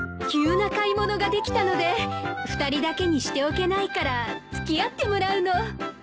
急な買い物ができたので２人だけにしておけないから付き合ってもらうの。